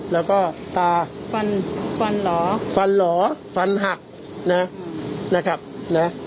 แล้วก็ตาฟันฟันเหรอฟันเหรอฟันหักนะนะครับนะ